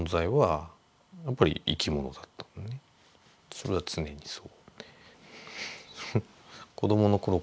それは常にそう。